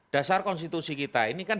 dasar konstitusi kita ini kan